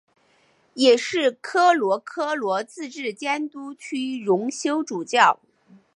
也是科罗科罗自治监督区荣休主教。